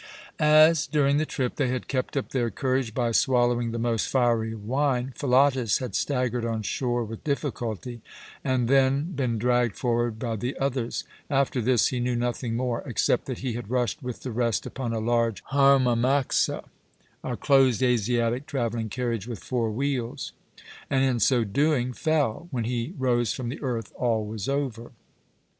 As, during the trip, they had kept up their courage by swallowing the most fiery wine, Philotas had staggered on shore with difficulty and then been dragged forward by the others. After this he knew nothing more, except that he had rushed with the rest upon a large harmamaxa, and in so doing fell. When he rose from the earth all was over.